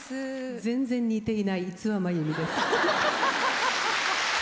全然似ていない五輪真弓です。